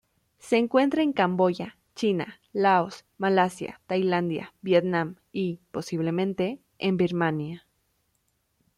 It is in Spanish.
Se encuentra en Camboya, China, Laos, Malasia, Tailandia, Vietnam y, posiblemente, en Birmania.